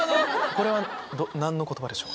これは何の言葉でしょう？